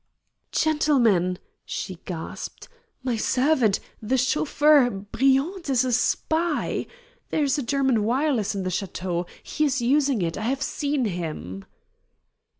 "Gentlemen!" she gasped, "my servant the chauffeur Briand is a spy! There is a German wireless in the château. He is using it! I have seen him."